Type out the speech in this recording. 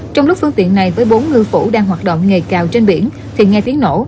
trong lúc phương tiện này với bốn ngư phủ đang hoạt động nghề cào trên biển thì nghe tiếng nổ